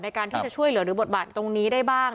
ในการที่จะช่วยเหลือหรือบทบาทตรงนี้ได้บ้าง